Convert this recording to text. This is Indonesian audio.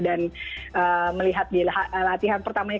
dan melihat di latihan pertamanya